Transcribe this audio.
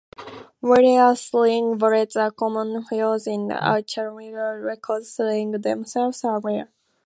Whereas sling-bullets are common finds in the archaeological record, slings themselves are rare.